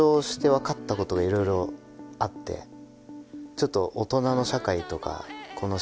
ちょっと。